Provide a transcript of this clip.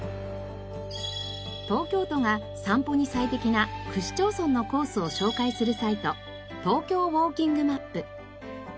東京都が散歩に最適な区市町村のコースを紹介するサイトトーキョーウォーキングマップ。